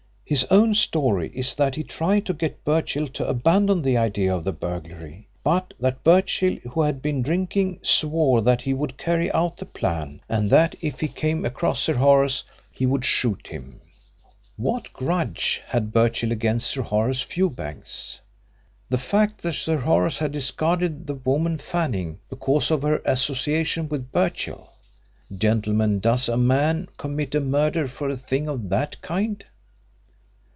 His own story is that he tried to get Birchill to abandon the idea of the burglary, but that Birchill, who had been drinking, swore that he would carry out the plan, and that if he came across Sir Horace he would shoot him. What grudge had Birchill against Sir Horace Fewbanks? The fact that Sir Horace had discarded the woman Fanning because of her association with Birchill. Gentlemen, does a man commit a murder for a thing of that kind?